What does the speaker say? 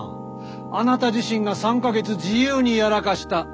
あなた自身が３か月自由にやらかした。